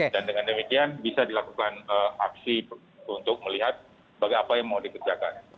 dan dengan demikian bisa dilakukan aksi untuk melihat bagaimana yang mau dikerjakan